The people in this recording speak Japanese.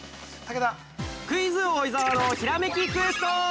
◆クイズ王伊沢の「ひらめきクエスト」。